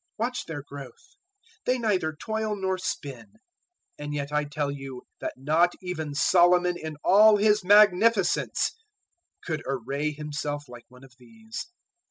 Watch their growth. They neither toil nor spin, 006:029 and yet I tell you that not even Solomon in all his magnificence could array himself like one of these.